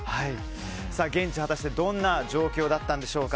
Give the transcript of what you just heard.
現地は果たしてどんな状況だったんでしょうか。